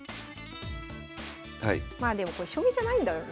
まあでもこれ将棋じゃないんだよな。